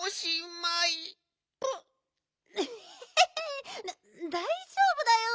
エヘヘだだいじょうぶだよ。